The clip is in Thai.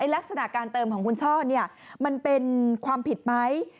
ลักษณะการเติมของคุณช่อมันเป็นความผิดไหม